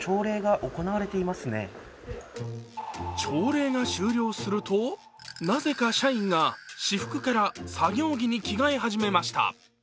朝礼が終了すると、なぜか社員が私服から作業着に着替え始めました。